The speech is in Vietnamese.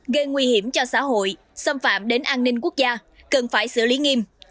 gây nguy hiểm cho xã hội xâm phạm đến an ninh quốc gia cần phải xử lý nghiêm